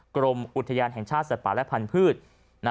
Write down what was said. กรมอุทยานแห่งชาติสัตว์ป่าและพันธุ์